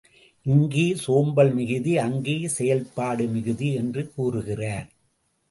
இங்கே சோம்பல் மிகுதி அங்கே செயல்பாடு மிகுதி என்று கூறுகிறார்.